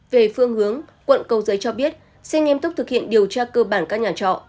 về phương hướng quận cầu giấy cho biết sẽ nghiêm túc thực hiện điều tra cơ bản các nhà trọ